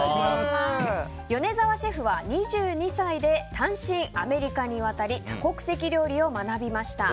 米澤シェフは、２２歳で単身、アメリカに渡り多国籍料理を学びました。